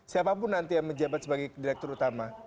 siapapun nanti yang menjabat sebagai direktur utama